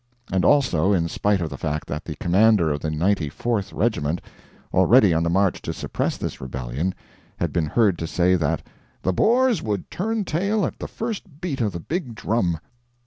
And also in spite of the fact that the commander of the 94th regiment already on the march to suppress this rebellion had been heard to say that "the Boers would turn tail at the first beat of the big drum."